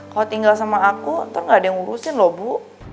kalau tinggal sama aku ntar gak ada yang ngurusin loh bu